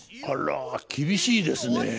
あら厳しいですね。